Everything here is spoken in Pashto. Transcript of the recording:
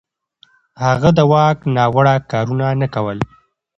هغه د واک ناوړه کارونه نه کول.